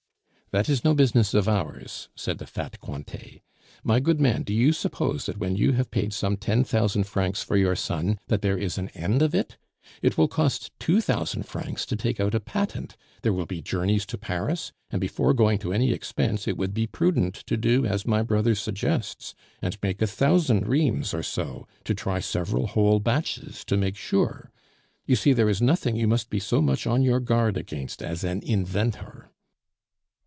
"That is no business of ours," said the fat Cointet. "My good man, do you suppose that when you have paid some ten thousand francs for your son, that there is an end of it? It will cost two thousand francs to take out a patent; there will be journeys to Paris; and before going to any expense, it would be prudent to do as my brother suggests, and make a thousand reams or so; to try several whole batches to make sure. You see, there is nothing you must be so much on your guard against as an inventor."